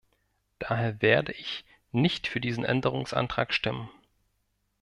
Daher werde ich nicht für diesen Änderungsantrag stimmen.